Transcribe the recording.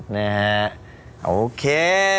นะฮะโอเค